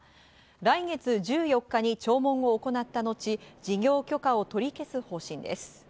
来月１４日に聴聞を行った後、事業許可を取り消す方針です。